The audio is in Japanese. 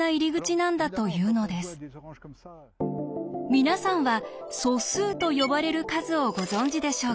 皆さんは素数と呼ばれる数をご存じでしょうか。